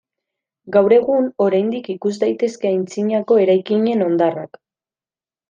Gaur egun oraindik ikus daitezke antzinako eraikinen hondarrak.